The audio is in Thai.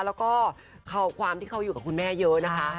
แล้วก็ความที่เขาอยู่กับคุณแม่เยอะนะคะ